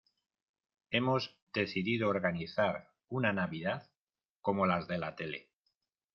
hemos decidido organizar una Navidad como las de la tele